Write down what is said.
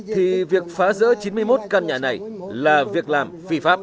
thì việc phá rỡ chín mươi một căn nhà này là việc làm phi pháp